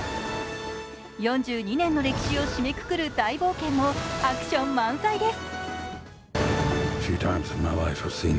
４２年の歴史を締めくくる大冒険もアクション満載です！